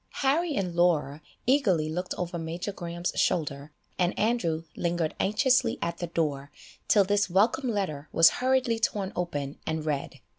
Harry and Laura eagerly looked over Major Graham's shoulder, and Andrew lingered anxiously at the door, till this welcome letter was hurriedly torn open and read.